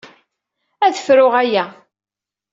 Ad fruɣ aya.